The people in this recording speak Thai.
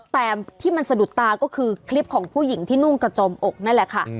แต่ที่มันสะดุดตาก็คือคลิปของผู้หญิงที่นุ่งกระจมอกนั่นแหละค่ะ